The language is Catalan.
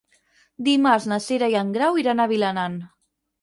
Dimarts na Cira i en Grau iran a Vilanant.